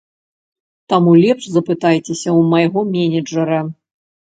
Таму лепш запытайцеся ў майго менеджэра.